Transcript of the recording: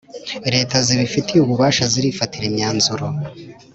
Leta zibifitiye ububasha zirifatira imyanzuro